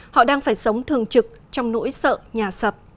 họ đang phải sống thường trực trong nỗi sợ nhà sập